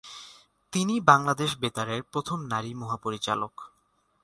তিনি বাংলাদেশ বেতারের প্রথম নারী মহাপরিচালক।